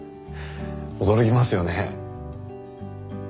驚きますよね。